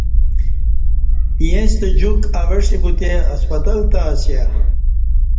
ییستہ جوک اوہ ݜی بوتے ہسپتال تہ اسیہ